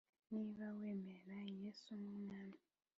niba wemera yesu nkumwami